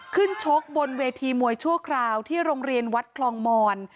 ชกบนเวทีมวยชั่วคราวที่โรงเรียนวัดคลองมอน